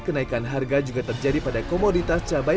kenaikan harga juga terjadi pada komoditas cabai